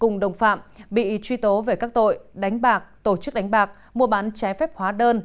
cùng đồng phạm bị truy tố về các tội đánh bạc tổ chức đánh bạc mua bán trái phép hóa đơn